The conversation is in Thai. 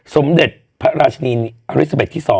สมเด็จพระราชินีนาทอาริสเบ็ดที่๒